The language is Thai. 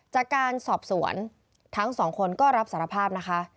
จากการสอบสวนทั้งสองคนก็รับสารภาพนะคะ